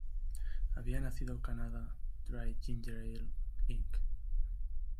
Había nacido Canada Dry Ginger Ale, Inc.